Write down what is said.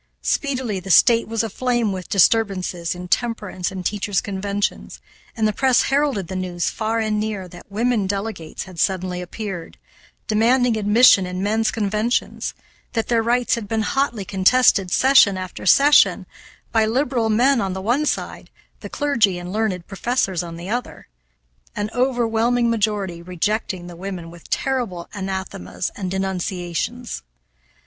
Speedily the State was aflame with disturbances in temperance and teachers' conventions, and the press heralded the news far and near that women delegates had suddenly appeared, demanding admission in men's conventions; that their rights had been hotly contested session after session, by liberal men on the one side, the clergy and learned professors on the other; an overwhelming majority rejecting the women with terrible anathemas and denunciations.